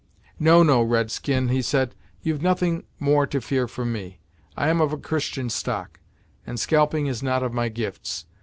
"No, no, red skin," he said; "you've nothing more to fear from me. I am of a Christian stock, and scalping is not of my gifts.